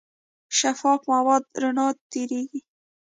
شفاف مواد رڼا تېرېږي.